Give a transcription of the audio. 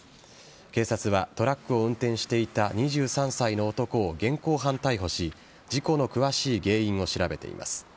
警察は、トラックを運転していた２３歳の男を現行犯逮捕し事故の詳しい原因を調べています。